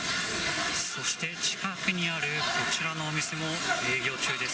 そして近くにあるこちらのお店も営業中です。